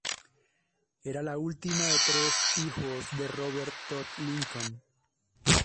Era la última de tres hijos de Robert Todd Lincoln.